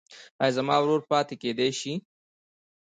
ایا زما ورور پاتې کیدی شي؟